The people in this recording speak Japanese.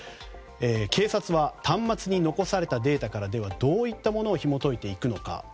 警察は端末に残されたデータからどういったものをひも解いていくのか。